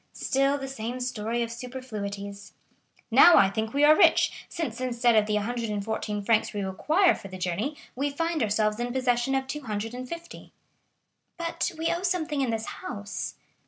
Still the same story of superfluities! Now I think we are rich, since instead of the 114 francs we require for the journey we find ourselves in possession of 250." "But we owe something in this house?"